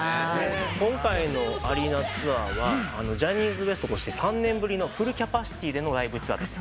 今回のアリーナツアーはジャニーズＷＥＳＴとして３年ぶりのフルキャパシティーでのライブツアーだった。